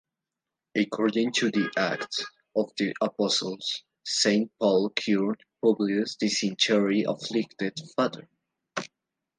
According to the Acts of the Apostles, Saint Paul cured Publius' dysentery-afflicted father.